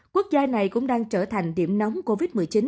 quốc gia này cũng đang trở thành điểm nóng covid một mươi chín